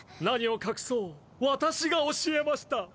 何を隠そう私が教えました。